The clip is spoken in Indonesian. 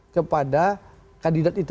kepada kandidat itu